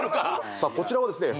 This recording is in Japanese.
さあこちらはですね